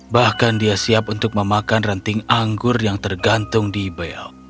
bahkan dia siap untuk memakan ranting anggur yang tergantung di bel